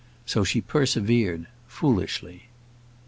So she persevered foolishly.